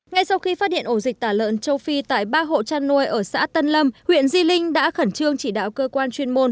ngay sau khi phát hiện ổ dịch tả lợn châu phi tại ba hộ chăn nuôi ở xã tân lâm huyện di linh đã khẩn trương chỉ đạo cơ quan chuyên môn